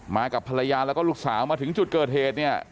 กับภรรยาแล้วก็ลูกสาวมาถึงจุดเกิดเหตุเนี่ย